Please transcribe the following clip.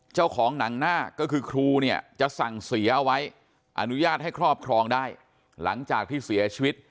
เจ้าของหนังหน้าก็คือครูเนี่ยจะสั่งเสียเอาไว้อนุญาตให้ครอบครองได้หลังจากที่เสียชีวิต